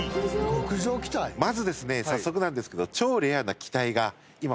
まずですね早速なんですけど。